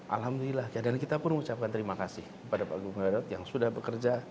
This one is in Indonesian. alhamdulillah dan kita pun mengucapkan terima kasih kepada pak gubernur yang sudah bekerja